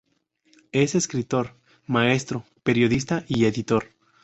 Es escritor, maestro, periodista y editor.